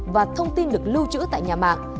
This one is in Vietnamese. và thông tin được lưu trữ tại nhà mạng